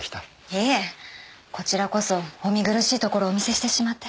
いえこちらこそお見苦しいところをお見せしてしまって。